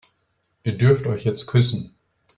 Ihr dürft euch jetzt küssen.